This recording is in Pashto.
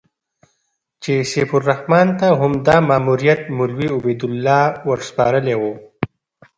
چې سیف الرحمن ته همدا ماموریت مولوي عبیدالله ورسپارلی و.